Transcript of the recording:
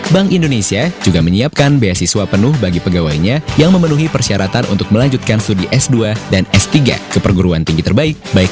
bank indonesia juga menyiapkan beasiswa penuh bagi pegawainya yang memenuhi persyaratan untuk melanjutkan studi s dua dan s tiga ke perguruan tinggi terbaik